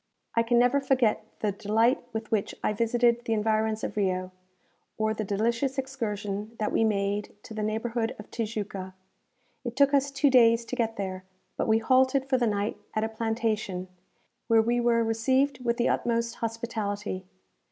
I can never forget the delight with which I visited the environs of Rio, or the delicious excursion that we made to the neighbourhood of Tijuca. It took us two days to get there; but we halted for the night at a plantation, where we were received with the utmost hospitality.